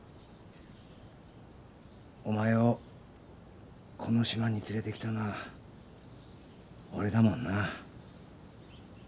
お前をこの島に連れてきたのは俺だもんな。